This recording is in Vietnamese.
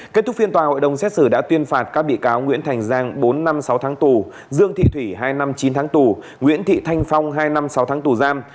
kết thúc phiên tòa hội đồng xét xử đã tuyên phạt các bị cáo nguyễn thành giang bốn năm sáu tháng tù dương thị thủy hai năm chín tháng tù nguyễn thị thanh phong hai năm sáu tháng tù giam